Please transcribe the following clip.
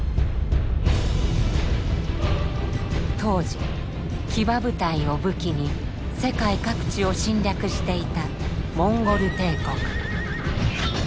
当時騎馬部隊を武器に世界各地を侵略していたモンゴル帝国。